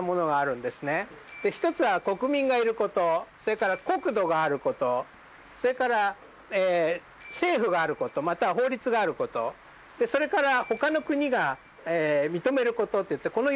１つは国民がいることそれから国土があることそれから政府があることまたは法律があることそれから他の国が認めることっていってこの。